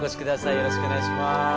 よろしくお願いします。